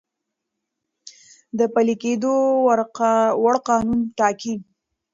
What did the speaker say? د پلی کیدو وړ قانون ټاکی ،